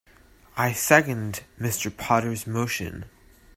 I second Mr. Potter's motion.